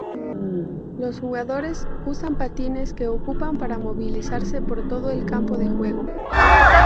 Los jugadores usan patines que ocupan para movilizarse por todo el campo de juego.